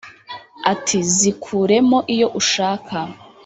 ati: zikure mo iyo ushaka